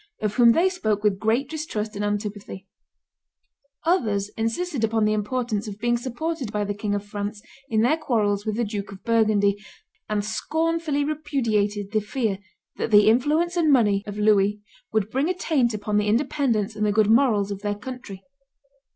of whom they spoke with great distrust and antipathy; others insisted upon the importance of being supported by the King of France in their quarrels with the Duke of Burgundy, and scornfully repudiated the fear that the influence and money of Louis would bring a taint upon the independence and the good morals of their country.